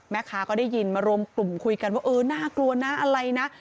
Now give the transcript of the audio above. แม่ค้าก็ได้ยินมารวมกลุ่มคุยกันว่าเออน่ากลัวนะอะไรนะ